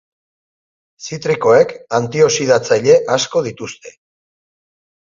Zitrikoek antioxidatzaile asko dituzte.